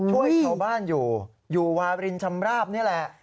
ช่วยชาวบ้านอยู่อยู่วารินชำราบนี่แหละ